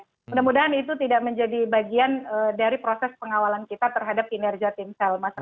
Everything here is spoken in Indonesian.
mudah mudahan itu tidak menjadi bagian dari proses pengawalan kita terhadap kinerja timsel mas reinhardt